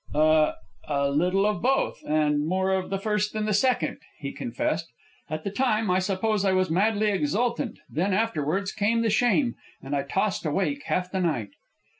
"A a little of both, and more of the first than the second," he confessed. "At the time I suppose I was madly exultant; then afterwards came the shame, and I tossed awake half the night."